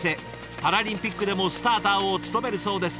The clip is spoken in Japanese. パラリンピックでもスターターを務めるそうです。